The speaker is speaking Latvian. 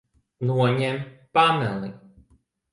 Noņem paneli.